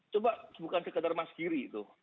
coba bukan sekadar mas giri